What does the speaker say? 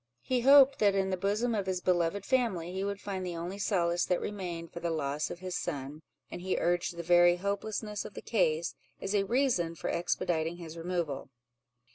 He hoped, that in the bosom of his beloved family, he would find the only solace that remained for the loss of his son; and he urged the very hopelessness of the case, as a reason for expediting his removal.